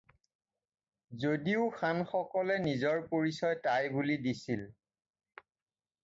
যদিও শানসকলে নিজৰ পৰিচয় টাই বুলি দিছিল।